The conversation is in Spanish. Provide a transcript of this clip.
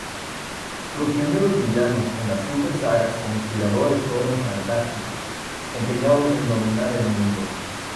Los primeros villanos en las "super-sagas" conspiradores fueron fantásticos, empeñados en dominar el mundo.